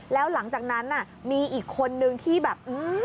แล้วหลังจากนั้นมีอีกคนนึงที่แบบ